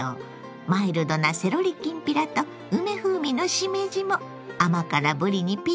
マイルドなセロリきんぴらと梅風味のしめじも甘辛ぶりにピッタリ！